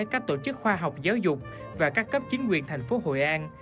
các tổ chức khoa học giáo dục và các cấp chính quyền thành phố hội an